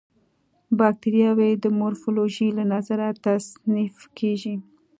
باکټریاوې د مورفولوژي له نظره تصنیف کیږي.